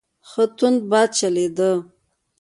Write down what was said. ښه تند باد چلیده.